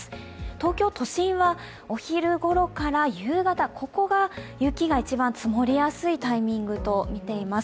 東京都心はお昼ごろから夕方、ここが、雪が一番積もりやすいタイミングとみています。